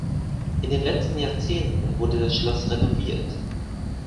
In den letzten Jahrzehnten wurde das Schloss renoviert.